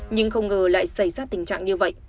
nhưng không ngờ lại xảy ra tình trạng như vậy